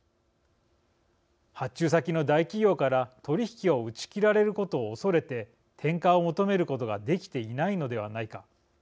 発注先の大企業から取り引きを打ち切られることを恐れて転嫁を求めることができていないのではないか。